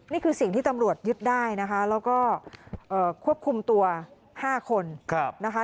นี่คือสิ่งที่ตำรวจยึดได้นะคะแล้วก็ควบคุมตัว๕คนนะคะ